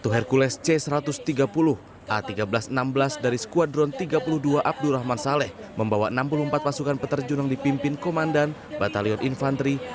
satu hercules c satu ratus tiga puluh a tiga belas enam belas dari skuadron tiga puluh dua abdurrahman saleh membawa enam puluh empat pasukan peterjun yang dipimpin komandan batalion infanteri